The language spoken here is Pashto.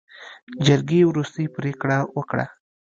جرګې وروستۍ پرېکړه وکړه.